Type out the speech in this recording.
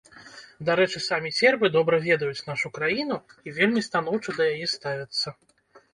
Дарэчы, самі сербы добра ведаюць нашу краіну і вельмі станоўча да яе ставяцца.